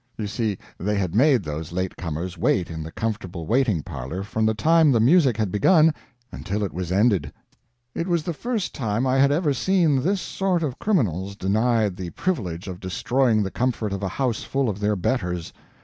You see, they had made those late comers wait in the comfortable waiting parlor from the time the music had begun until it was ended. It was the first time I had ever seen this sort of criminals denied the privilege of destroying the comfort of a house full of their betters.